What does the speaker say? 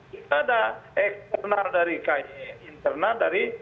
kita ada eksternal dari kaya internal dari